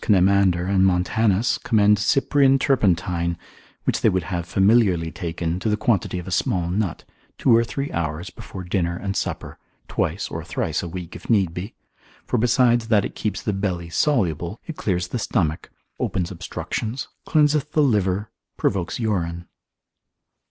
P. Cnemander, and Montanus commend Cyprian turpentine, which they would have familiarly taken, to the quantity of a small nut, two or three hours before dinner and supper, twice or thrice a week if need be; for besides that it keeps the belly soluble, it clears the stomach, opens obstructions, cleanseth the liver, provokes urine.